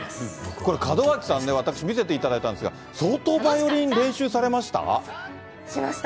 これ、門脇さんね、私見せていただいたんですが、相当バイオリン練習されました？